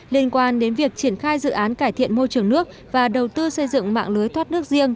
liên quan đến việc triển khai dự án cải thiện môi trường nước và đầu tư xây dựng mạng lưới thoát nước riêng